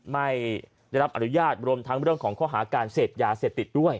ไม่ได้รับอนุญาตรวมทั้งเรื่องของข้อหาการเสพยาเสพติดด้วย